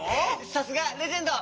さすがレジェンド！